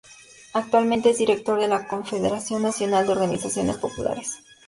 Actualmente es director de la Confederación Nacional de Organizaciones Populares.